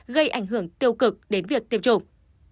cực cực đến việc tiêm chủng